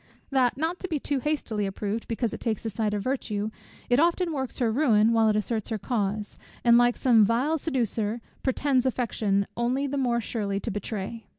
That, not to be too hastily approved, because it takes the side of virtue, it often works her ruin while it asserts her cause, and like some vile seducer, pretends affection only the more surely to betray.